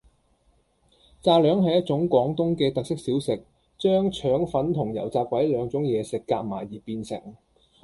炸兩係一種廣東嘅特色小食，將腸粉同油炸鬼兩種嘢食夾埋而變成